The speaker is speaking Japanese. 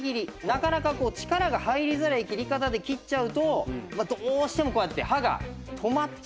なかなかこう力が入りづらい切り方で切っちゃうとどうしてもこうやって刃が止まっちゃうんですよね。